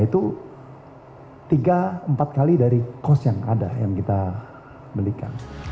itu tiga empat kali dari kos yang ada yang kita belikan